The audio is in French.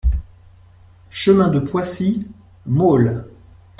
Chemin de Poissy, Maule